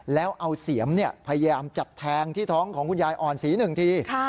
แล้วเอาเสียมพยายามจัดแทงที่ท้องของคุณยายอ่อนศรีหนึ่งที